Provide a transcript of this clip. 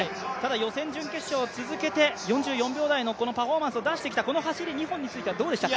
予選、準決勝、続けて４４秒台のパフォーマンスを出してきたこの走り２本についてはどうでしたか？